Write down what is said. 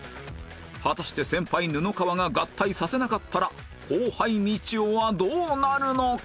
果たして先輩布川が合体させなかったら後輩みちおはどうなるのか？